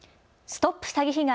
ＳＴＯＰ詐欺被害！